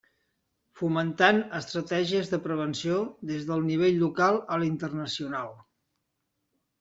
Fomentant estratègies de prevenció des del nivell local a l'internacional.